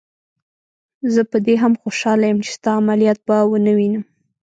زه په دې هم خوشحاله یم چې ستا عملیات به ونه وینم.